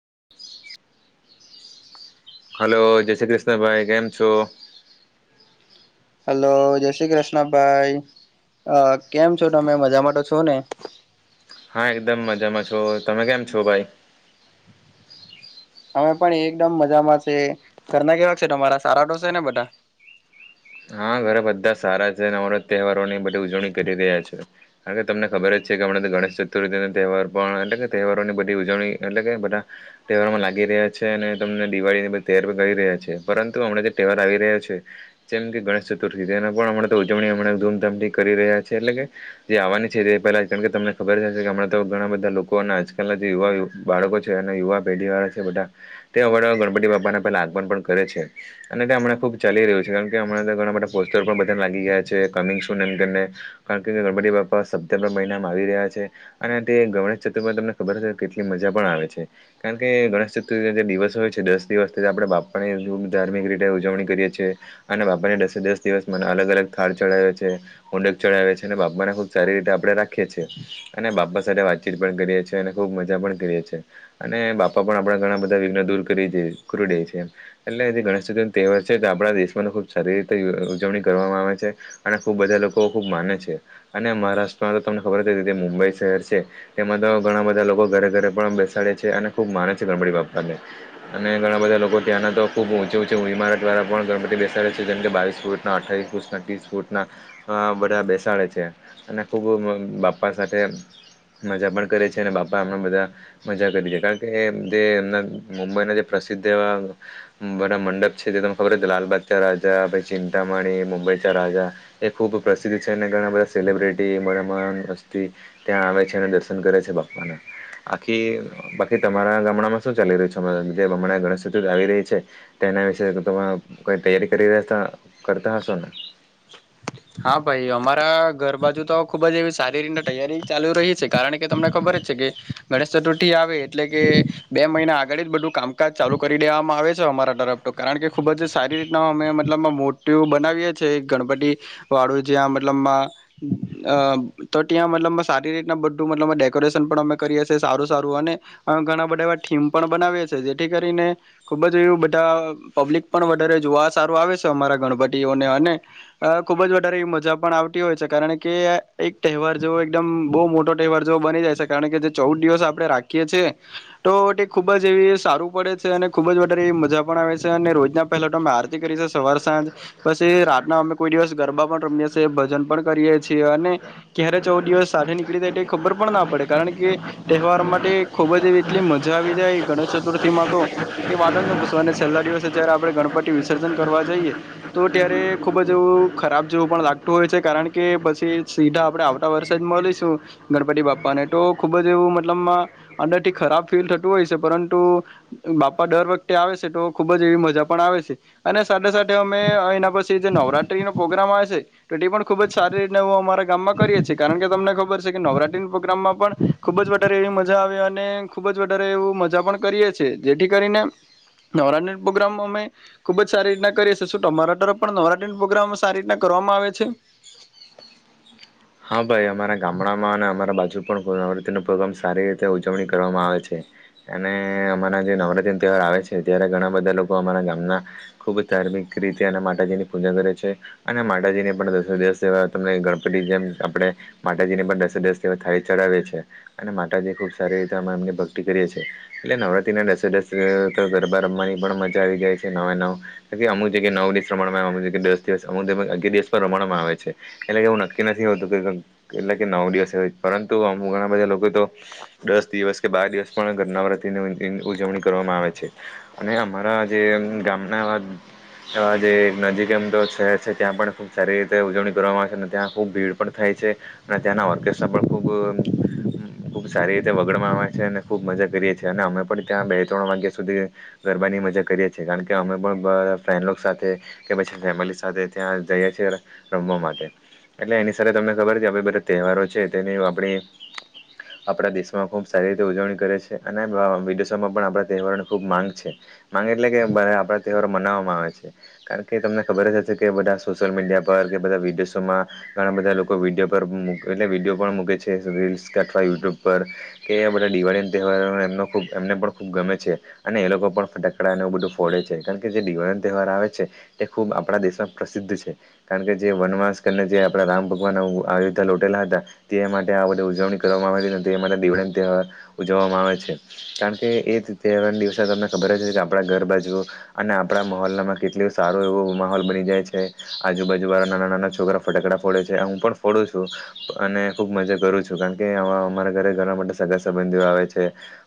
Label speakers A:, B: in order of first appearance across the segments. A: [unintelligible] Hello જય શ્રી કૃષ્ણભાઈ, કેમ છો?
B: હલો જય શ્રી કૃષ્ણ ભાઈ. હ કેમ છો તમે, મજામાટે છો ને?
A: હા એકદમ મજામાં છો, તમે કેમ છો ભાઈ?
B: અમે પણ એકદમ મજામાં છે ઘરના કેવા છેરા સારા તો છે ને બધા. [inaudible] [inaudible]
A: હા ઘરે બધા સારા છે ન અવત તહેવારોની બધી ઉજવણી કરી રહ્યા છે. અને તમને ખબર જ છે કે હમણાં ગણેશ ચતુર્થીના તહેવાર પણ એટલે કે તહેવારોની બધી ઉજવણી એટલે કે બધા તહેવારમાં લાગી રહ્યા છે અને તમને દિવાળી ની બધ તહેવાર કરી રહ્યા છે પરંતુ હમણાં જે તહેવાર આવી રહ્યા છે. જેમ કે ગણેશ ચતુર્થી તેને પણ અમનેતો ઉજવણીમ ધૂમધામથી કરી રહ્યા છે એટલે કે જે આવાની છે તે પહેલા [unintelligible] ને ખબર થ છે કે હમણાં તો ઘણા બધા લોકો અને આજકાલના જે યુવા બાળકો છે અને યુવા પેઢી વાળા છે બધા તે આમળા ગણપતિ બાપાના પહેલા આગમન પણ કરે છે અને તે હમણા ખુબ ચાલી રહ્યું છે કારણ કે હમણાં તે ગણ બ પોસ્ટર પણ બધાં લાગી ગયા છે કમિંગ સૂન એ કારને કાકે ગણપતી બાપા સપ્ટેમ્બર મહિનામાં આવી રહ્યા છે અને તે ગણેશ ચતુર્માં તમને ખબર હશે કેટલી મજા પણ આવે છે કારણ કે ગણેશ ચતુર્થી દિવસ હોય છે દસ દિવસ થી આપણે બાપા ખબ ધાર્મિક રીતે ઉજવણી કરીએ છીએ અને બાપા ને દસે દસ દિવસ મને અલગ અલગ થાળ ચડાવે છે મોદક ચડાવે છે અને બાપાને ખુબ સારી રીતે આપડણે રાખીએ છીએ. અને બાપા સાથે વાતચીત પણ કરીએ છીએ અને ખુબ મજા પણ કરીએ છીએ અને બાપા પણ આપડા ઘણા બધા વિઘ્ન દૂર કરી દે કરું દેય છે એમ એટલે જે ગણેશ ચતૂર તહેવાર છે આપણા દેશમાં ખુબ સારી રીતે ઉજવણી કરવામાં આવે છે અને ખૂબ બધા લોકો ખૂબ માને છે અને મહારાષ્ટ્રમાં તો તમને ખબર જ રતે મું બઈ શહેર છે તેમાં તો ઘણા બધા લોકો ઘરે ઘરે પણ બેસાડે છે અને ખુબ માને છે ગણબડી બાપા ને. અને ઘણા બધા લોકો ત્યાંના તો ખુબ ઊંચે ઊંચી ઇમારત વારા પણ ગણપતિ બેસાડે છે જેમ કે બાવીસ ફૂટ. અઠસ ફૂટ ત્રીસ ફૂટ ના બધા બેસાડે છે અને ખુબ બાપ્પા સાથે [unintelligible] મજા પણ કરે છે અને બાપામણા બધા મજા કરી છે કારણ કે જે એમના મુંબઈના જે પ્રસિદ્ધ એવા બધા મંડપ છે જે તને ખબર હો લાલબાગં રાજા પછ ટમાણી મુુંબઈ રાજા એ ખૂબ પ્રસિદ્ધ છે અને ઘણા બધા સેલિબ્રિટી મમ અસ્તી ત્યાં આવે છે અને દર્શન કરે છે બાપાના. આખી બાકી તમારા ગામડામાં શું ચાલી રહ્યું છે હમણાં જેમ હમણા ગણેશ ચતુ આવી રહી એ છે. એના વિશે તમે કઈ તૈયારી કરી દ કરતા હશો ને.
B: હા ભાઈ અમારા ઘર બાજુ તો ખુબ જ એવી સારી રીત તૈયારી ચાલુ રહી છે. કારણ કે તમને ખબર જ છે કે ગણેશ ચતુર્થી આવે એટલે કે બે મહિના આ ગળ જ બધું કામકાજ ચાલુ કરી દેવામાં આવે છે અમારા તરફ તો કારણ કે ખુબ જ સારી રીતના અમે મતલબ મોટ પેલુ બનાવીએ છે ગણપતિ વાળું જ્યાં મતલબમાં અ તો ત્યાં મતલબ મા સારી રીતના બધું મતલબમા ડેકોરેશન પણ અમે કરીએ છીએ સારું સારું અને ઘણા બધા એવા થીમ પણ બનાવીએ છીએ જેથી કરીને ખૂબ જ બધા પબ્લિક પણ વધારે જોવા સારું આવે છે અમારા ગણપટીઓને અને ખુબ જ વધારે એ મજા પણ આવતી હોય છે કારણ કે એક તહેવાર જેવો એકદમ બહુ મોટો તહેવાર જેવો બની [unintelligible] કારણકે જે ચૌદ દિવસ આપણે રાખીએ છી તો ખૂબ જ એવી સારું પડે છે અને ખૂબ જ મજા પણ આવે છે અને રોજના પહેલા તો અમે આરતી કરી છે સવાર સાંજ પછી રાતના અમે કોઈ દિવસ ગરબા પણ રમીએ છીએ ભજન પણ કરીએ છીએ અને ક્યારે ચૌદ દિવસ સાથે નીકળી જાય ખબર પણ ના પડે કારણ કે તહેવાર માટે ખુબ જ એવી એટલી મજા આવી જાય ગણેશ ચતુર્થી માં તો કે વા ત જ ના પૂસવાને છેલ્લા દિવસે જયારે આપણે ગણપતિ વિસર્જન કરવા જઈએ તો ત્યારે ખુબ જ એવું ખરાબ જેવું પણ લાગતું હોય છે કારણ કે પછી સીધા આપણે આવતા વર્ષે જ મળીશું ગણપતિ બાપા તો ખબ જવું મતલ અંદર થી ખરાબ ફીલ થતું હોય છે પરંતુ બાપા ડર વતે આવે છે તો ખુબ જ એવી મજા પણ આવે છે અને સાથે સાથે અમે એના પછી જે નવરાત્રી પ્રોગ્રામ આવે છે તો તે પણ ખુબ જ સારી રીતેું અમારા ગામમાં કરીએ છીએ કારણ કે તમને ખબર છે કે નવરાત્રી પ્રોગ્રામ ખુબ જારે એવી મજા આવે અને ખુબ જ વધારે એવ મજા પણ કરીએ છે જેથી કરીને નવરાત્રી પ્રોગ્રામ અમે ખુબ જ સારી રીતના કરીએ છીએ શું તોરા પણ નવરાત્રી પ્રોગ્રામ સારી રીતના કરવામાં આવે છે.
A: હા ભાઈ અમારા ગામડામાં અને અમારા બાજુ [unintelligible] ન પ્રોગ્રામ સારી રીતે ઉજવણી કરવામાં આવે છે. અને અમારા જે નવરાત્રી ન તહેવાર આવે છે ત્યારે ઘણા બધા લોકો અમારા ગામના ખુબ સા ધાર્મિક રીતે અને માતાજીની પૂજા કરે છે અને માતાજીને પણ દસે દિવસ જેવા તમને ગણપતિ જેમ આપણે માતાજી ને પણ દસે દસવા થાય ચડાવએી છે અને માતાજી ખુબ સારી રીતે અમે એમને ભક્તિ કરી એટલે નવરાત્રીને દસેસ ગરબા રમવાની પણ મજા આવી જાય છે નવા નવ અમુક નવ દિવસ રમણ દસ દિવસ અમુ દિવસ રણમાં આવે છે એટલે કે હું નક્કી ન થી નવ દિવસેય પરંતુ અમ ઘણા બધા લોકો તો દસ દિવસ કે બા દી વસ પણ ઘરનાવ્રતિની ઉજવણી કરવામાં આવે છે અને અમારા જે ગામના જે નજીક એમ તો શહેર છે ત્યાં પણ ખુબ સારી રીતે ઉજવણી કરવામાં આવશે ત્યાં ખૂબ ભીડ પણ થાય છે અને ત્યાંના ઓર્કેસ્ટ્રા પણ ખૂબ ખુબ સારી રીતે વગડમાં આવે છે અને ખુબ મજા કરીએ છીએ અને અમે પણ ત્યાં બે ત્રણ વાગ્યા સુધી ગરબાની મજા કરીએ છીએ કારણ કે અમે પણ બ ફ્રેન્ડલો સાથે કે પછી ફેમિલી સાથે ત્યાં જઈએ છીએ. રમવા માટે એટલે એની સાથે તમને ખબર છે આપ બધા તહેવારો છે તેની આપણી આપણા દેશમાં ખૂબ સારી રીતે ઉજવણી કરે છે અને વિદેશોમાં પણ આપણા તહેવારોની ખૂબ માંગ છે. માગે એટલે કે બ આપડા તહેવાર મનાવવામાં આવે છે કારણ કે તમને ખબર જ હશે કે બધા સોશિયલ મીડિયા પર કે બધા વિડીયોસોમાં ઘણા બધા લોકો વિડીયો પર એટલે વિડીયો પણ મૂકે છે રીલ્સ અવા યુટ્યુબ પર કે બધા દિવાળી તહેવાર એમબ એમને પણ ખૂબ ગમે છે અને એ લોકો પણ ફટકડાને એવું બધું ફોડે છે. કાર જે દિવાળી તહેવાર આવે છે તે ખુબ આપણા દેશમાં પ્રસિદ્ધ છે કારણ કે જે વનમાસ જે આપડા રામ ભગવાન આયોધ્ય લટેલા હતા તે માટે આ બધ ઉજવણી કરવામાં આવી હતી તે માટે દિવાળ તેવાર ઉજવવામાં આવે છે કારણ કે એ તહેવાર દિવસે તમને ખબર છે કે આપડા ઘર બાજુઓ અને આપડા મહહોલમાં કેટલ સારો એવો માહોલ બની જાય છે આજુબાજુ વાળા નાના નાના છોકરા ફટાકડા ફોડે છે હું પણ ફોડું છું અને ખુબ મજા કરું છું કારણ કે આ અરા ઘરે ઘર માટે સંબંધીઓ આવે છે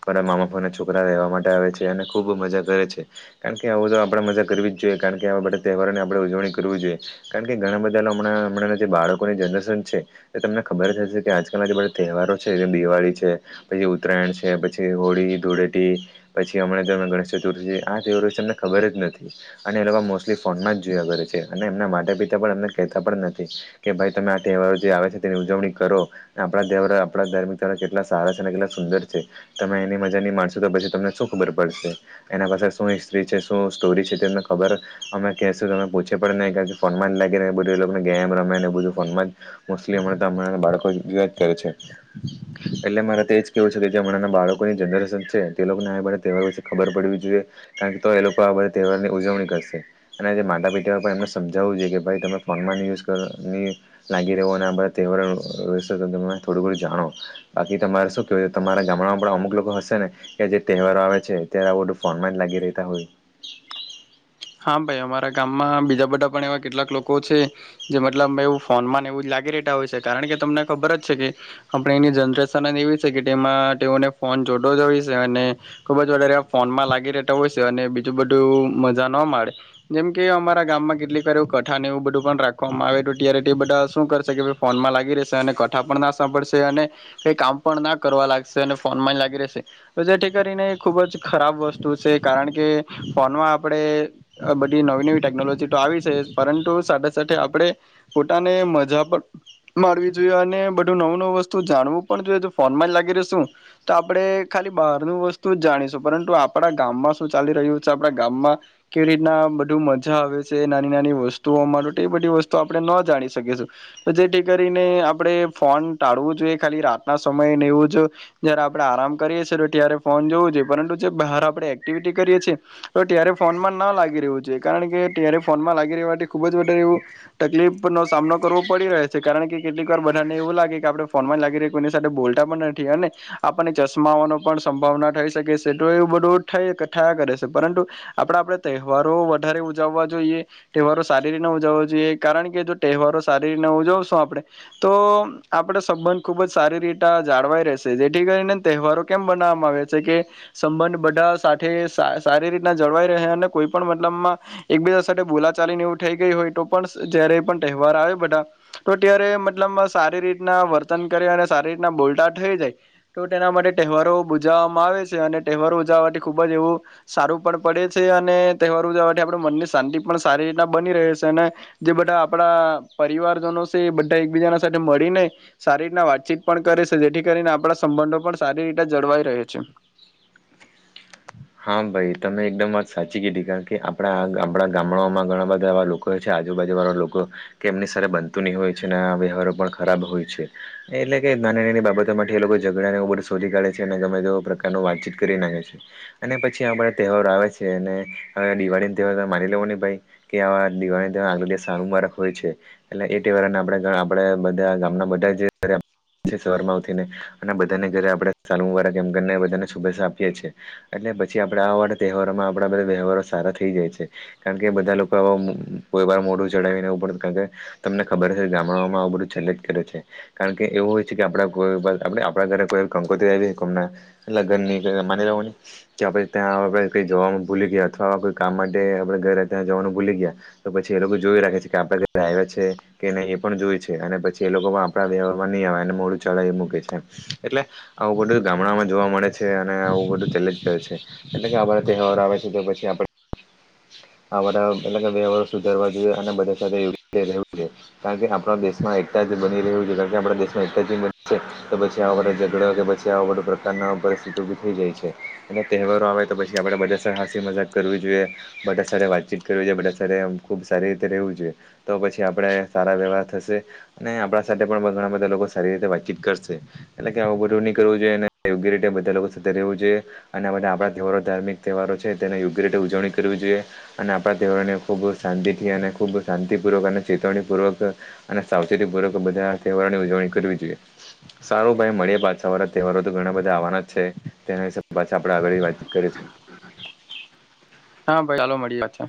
A: મારા મા બાપા ના છોકરા રહેેવા માટે આવે છે અને ખુબ મજા કરે છે કારણ કે આવ બ તો આપણે મજા કરવી જ જોઈએ કારણ કે આવા બધા તહેવારોની આપણે ઉજવણી કરવી જ જોઈએ કારણ કે ઘણા બધા લોકો હમણાં હણાં જે બાળકોની જનરેશન છે એ તમને ખબર હશે કે આજકાલના જે બધા તહેવારો છે જે દિવાળી છે. પછી ઉત્તરાયણ છે પછી હોળી ધૂળેટી પછી હમણાં તમે ગણેશ ચતુર્થી આ તેવ તમને ખબર જ નથી અને એ લોકો મોલી ફોનમાં જ જોયા કરે છે અને એમના માટે પિતા પણ એમને કતા પણ નથી. કે ભાઈ તમે આ તહેવારો જે આવે છે તેની ઉજવણી કરો આપ તહે ધાર્મિક ત કેટલા સારા છે. કેટ સુંદર છે તમે એની મજા ની માણસો તો પછી તમને સુખ ખબર પડશે એના પાસે શુસ્ત્રી છે. સ્ટોરી છેને ખબર અમે કશું તમે પૂછે પણ નહી કાર કે ફોન જ લાગી બોલ એને ગેમ રમે ફોનમાં [unintelligible] બાળકો કરે છે એટલે મારેજ કેવું છે કે જે હણાં બાળકોની જનરેશન છે તે લોકોને આહેર વ ખબર પડવી જોઈએ કારણ કે તો એ લોકો આ બધા તહેવારની ઉજવણી કરશે અને આજે માતા પિટીઓએ પણ એમને સમજાવવું જોઈએ કે ભાઈ તમે ફોનમાં ન લાગી રહ અને બધ તહેવાર તમે થોડું ઘણું જાણો બાકી તમારા કે તમારા ગામડામાં પણ અમુક લોકો હશે ને કે જે તહેવારો આવે છે ત્યારે બધું ફોન માં જ લાગી રતા હોય.
B: [inaudible] હા ભાઈ અમારા ગામમાં બીજા બધા પણ એવા કેટલાક લોકો છે જે મતલબ ફોનમાંને એવું જ લા ગી હોય છે કારણ કે તમને ખબર જ છે કે આપની જનરેશન એવી છે કે તેમાં તેને ફોન જોતો જ હો અને ખુબ જ વધારે ફોનમાં લાગી રતા હોય છે અને બીજું બધું. જા ન મળે જેમ કે અમારા ગામમાં કેટલીક વા એું કઠાણ એવું બધું પણ રાખવામાં આવે તો ત્યારે બધા શું કરશે કે ફોનમાં લાગી રશે અને કથા પણ ન સાંભળશે અને ક કામ પણ ના કરવા લાગશે અને ફોન લાગી રહેશે તો જેથી કરીને ખૂબ જ ખરાબ વસ્તુ છે કારણ કે ફોનમાં પણે આ બધી નવી-નવી ટેકનોલોજી તો આવી છે, પરંતુ સાથે-સાથે આપણે પોતાને મજા પણ માણવી જોઈએ, અને બધું નવું-નવું વસ્તુ જાણવું પણ જોઈએ, જો ફોન માં જ લાગી રહેશું તો આપડે [unintelligible] ખાલી બહારનું વસ્તુ જ જાણીશું પરંતુ આપણા ગામમાં શું ચાલી રહ્યું છે આપણા ગામમાં કેવી રીતના બધું મજા આવે છે નાની નાની વસ્તુઓ માટે તો એ બધી વસ્તુ આપડણે ન જાણી શકીએ જેથી કરીને આપણે ફોન ટાળવું જોઈએ ખાલી રાતના સમય એવું આપ આરામ કરીી તો ત્યારે ફોન જોવું જોઈએ પરંતુ જે બહાર આપ એક્ટિવિટી કરીએ છી તો્યારે ફોન માં ના લાગી રહવ છે કારણ કે ત્યારે ફોનમાં લાગી રહેવાથી ખુબ જ વધારે એવું તકલીફ નો સામનો કરવું પડી રહે છે કારણ કેટલીક વાર બધાને એવું લાગે કે આપડણે ફોનમાં જ લાગી ર્યા કોઈની સાથે બોલતા પણ નથી અને આપણને ચશ્મા આવવાનો પણ સંભાવના થઈ શકે છે તો એવું બધું થયા કરે છે પરંતુ આપડે આપણે તહેવારો વધારે ઉજવવા જોઈએ તહેવારો સારી રીના ઉજવવા જોઈએ કારણ કે જો તહેવારો સારી રીઉજવશો આપણે તો આપડ સંબંધ ખુબ જ સારી રીતે જાળવાય રહેશે જે કરી તહેવારો કેમ બનાવવામાં આવે છે કે સંબંધ બધા સાથે સારી રીતના જળવાઈ રહે અને કોઈ પણ મતલબમાં એક બીજા સાથે બોલા ચાલીને એવું થઈ ગઈ હોય તો પણ જ્યારે પણ વાર આવે બધા તો અત્યારે મતલબ સારી રીતના વર્તન કરે અને સારી રીતના બોલ્ટા થઈ જાય તો તેના માટે તહેવારો ઉજવવા માં આવે છે અને તહેવારો ઉજવવા થી ખુબ જ એવું સારું પણ પડે છે અને તહેવારો ઉજવવા થી આપણા મનને પણ સારી રીતના બની રહે છે અને જે બધા આપણા પરિવારજનો છે બધા એકબીજા ના સાથે મળીને સારી રીતના વાતચીત પણ કરે છે જેથી કરીને આપણા સંબંધો પણ સારી રીતે જળવાઈ રહે છે
A: હા ભાઈ તમે એકદમ વાત સાચી કીધી કારણ કે આપડા આ ગામડામાં ઘણા બધા એવા લોકો છે આજુબાજુ વાળો લોકો કેમની સાથે બનતું નહીં હોય છે અને વ્યવહારો પણ ખરાબ હોય છે એટલે કે નાની નાની બાબતો માટે એ લોકો ઝઘડા ને આવું બધું શોધી કાઢે છે અને ગમે તેવુ પ્રકારનું વાતચીત કરી નાખે છે અને પછી આ બધા તહેવારો આવે છે અને હવે દિવાળી તહેવાર માની લેવો ને ભાઈ કે આવા દિવાળી સાલ મુબારક હોય છે એટલે એ તહેવારાને આપ આપે બધા ગામના બધા સવાર માં ઉઠીને અને બધાને ઘરે આપડે સાલ મુબારક એમ કરીને બધાને શુભેચ્છા આપીએ છીએ એટલે પછી આપણે આવાળા તહેવારોમાં આપણા બધા વ્યવહારો સારા થઈ જાય છે કારણ કે બધા લોકો આવા કોઈ વાર મોઢું ચડાવીનેવું પડ કારણ કે તમને ખબર હશે ગામડાઓમાં આ બધું છેલ્લે જ કર્યું છે કારણ કે એવું હોય છે કે આપ કોઈ આપ આપણા ઘરેઈ કંકોતિ આવીમ લગનની માની ન કે આપડે ત્યાં આવે કંઈ જવાનું ભૂલી ગયા, અથવા કોઈ કામ માટે આપડે ઘરે ત્યાં જવાનું ભૂલી ગયા તો પછી એ લોકો જોઈ રાખે છે કે આપડે ઘરે આયવા છે કે નહીં એ પણ જોયે છે, અને પછી એ લોકો પણ આપણા વ્યવહારમાં નહીં આવે અને મોડું ચડાવી મૂકે છે. એટલે આવું બધું ગામડામાં જોવા મળે છે, અને આવું બધું [unintelligible] [unintelligible] એટલે કે આ બધા તહેવાર આવે છે તો પછી આપણે આ બધા અલગ વ્યવહારો સુધારવા જોઈએ, અને બધા સાથે [inaudible] રહેવું જોઈએ, કારણ કે આપણા દેશમાં એ એકતા જ બની રહ્યું છે, કારણ કે આપણા દેશમાં એકતા જ બની છે, તો પછી આવા બધો ઝઘડા કે પછી આવા બધો પ્રકારનો પરિસ્થિતિ ઊભી થઈ જાય છે, અને તહેવારો આવે તો પછી આપણે બધા સા હસી મજાક કરવી જોઈએ. બધા સાથે વાતચીત કરવી જોઈએ, બધા સાથે આમ ખૂબ સારી રીતે રહેવું જોઈએ. તો પછી આપણે સારા વ્યવહાર થશે. અને આપડા સાથે પણ ઘણા બધા લોકો સારી રીતે વાતચીત કરશે. એટલે કે આવું બધું ની કરવું જોઈએ [unintelligible] યોગ્ય રીતે બધા લોકો સાથે રહેવું જોઈએ, અને આ બધા આપણા તહેવારો ધાર્મિક તહેવારો છે તેને યોગ્ય રીતે ઉજવણી કરવી જોઈએ, અને આપણા તહેવારોને ખૂબ શાંતિથી અને ખૂબ શાંતિપૂર્વક અને ચેતવણીપૂર્વક અને સાવચેતીપૂર્વક બધા તહેવારોની ઉજવણી કરવી જોઈએ. સારું ભાઈ મળીએ પાછા, આવા તહેવારો તો ઘણા બધા આવવાના જ છે. તેના વિશે પાછા આપણે આગળેય વાતચીત કરીશું.
B: [inaudible] હા ભાઈ ચાલો મળીએ પાછા.